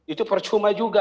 itu percuma juga